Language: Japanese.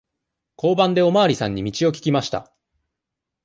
交番でおまわりさんに道を聞きました。